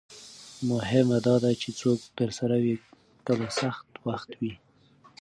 مهمه دا ده چې څوک درسره وي کله سخت وخت وي.